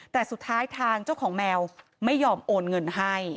แต่สุดท้ายทางเจ้าของแมวไม่ยอมโอนเงินให้